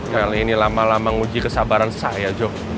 kali ini lama lama menguji kesabaran saya joe